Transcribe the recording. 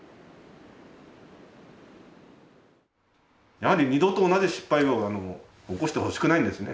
やはり二度と同じ失敗を起こしてほしくないんですね。